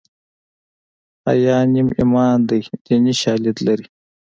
حیا نیم ایمان دی دیني شالید لري